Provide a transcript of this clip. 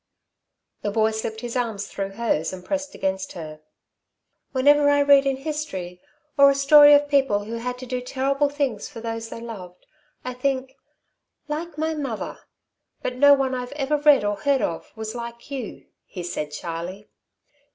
The boy slipped his arms through hers and pressed against her. "Whenever I read in history or a story of people who had to do terrible things for those they loved, I think: 'Like my mother!' But no one I've ever read, or heard of, was like you," he said shyly.